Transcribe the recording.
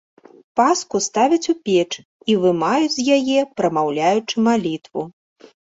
Паску ставяць у печ і вымаюць з яе, прамаўляючы малітву.